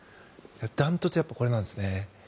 断トツでこれなんですね。